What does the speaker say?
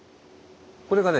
これがね